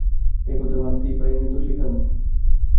এ কথা ভাবতেই পারি নে তো শেখাব কি?